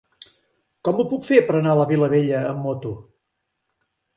Com ho puc fer per anar a la Vilavella amb moto?